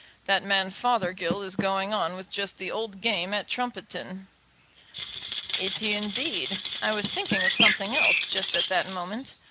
That man Fothergill is going on with just the old game at Trumpeton." "Is he, indeed? I was thinking of something else just at that moment.